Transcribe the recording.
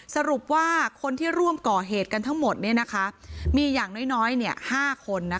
สรุปว่าคนที่ร่วมก่อเหตุกันทั้งหมดมีอย่างน้อย๕คน